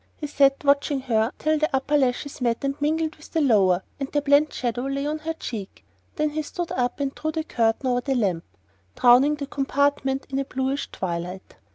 He sat watching her till the upper lashes met and mingled with the lower, and their blent shadow lay on her cheek; then he stood up and drew the curtain over the lamp, drowning the compartment in a bluish twilight.